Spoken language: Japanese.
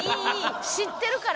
知ってるから。